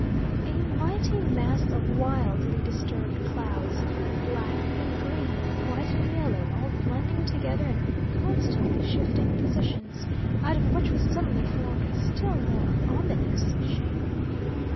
A mighty mass of wildly disturbed clouds, black and green and white and yellow all blending together and constantly shifting positions, out of which was suddenly formed a still more ominous shape.